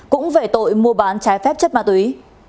cũng về tội mua bán trái phép chất ma túy